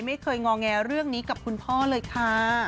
ไม่เคยงอแงเรื่องนี้กับคุณพ่อเลยค่ะ